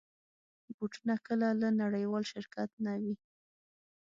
بوټونه کله له نړېوال شرکت نه وي.